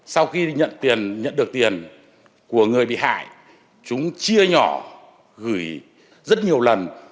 sau khi nhận được tiền của người bị hại chúng chia nhỏ gửi rất nhiều lần